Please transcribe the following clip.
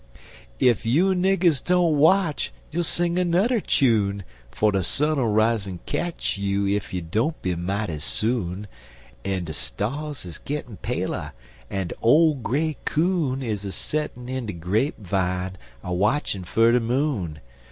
Ef you niggers don't watch, you'll sing anudder chune, Fer de sun'll rise'n ketch you ef you don't be mighty soon; En de stars is gittin' paler, en de ole gray coon Is a settin' in de grape vine a watchin' fer de moon.